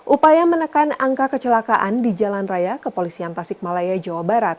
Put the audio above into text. upaya menekan angka kecelakaan di jalan raya kepolisian tasik malaya jawa barat